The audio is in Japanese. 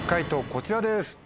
こちらです。